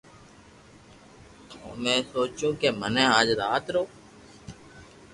تو ۾ سوچيو ڪي مني آج رات رو ھي